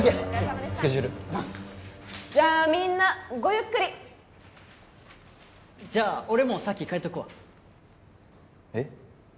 あざっすじゃあみんなごゆっくりじゃあ俺も先帰っとくわえっ？